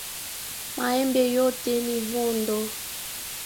Maembe yote ni mvodho